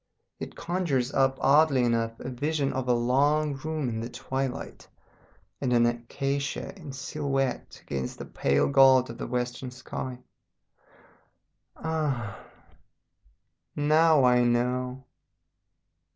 It conjures up oddly enough a vision of a long room in the twilight, and an acacia in silhouette against the pale gold of the western sky. Ah! now I know!